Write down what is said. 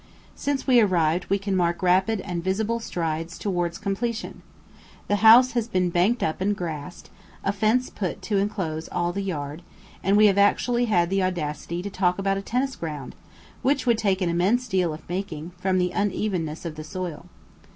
Since we arrived we can mark rapid and visible strides towards completion. The house has been banked up and grassed, a fence put to enclose all the yard, and we have actually had the audacity to talk about a tennis ground, which would take an immense deal of making, from the unevenness of the soil.